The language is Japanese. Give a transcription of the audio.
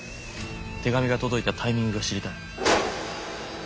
手紙が届いたタイミングが知りたい。